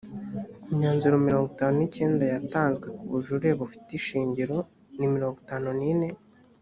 ku myanzuro mirongo itanu n icyenda yatanzwe ku bujurire bufite ishingiro ni mirongo itanu n’ine